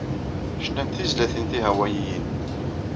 Cnant tizlatin tihawayiyin.